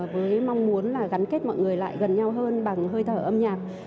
với mong muốn là gắn kết mọi người lại gần nhau hơn bằng hơi thở âm nhạc